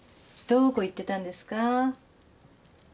どこ行ってたんですか？